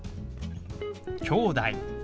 「きょうだい」。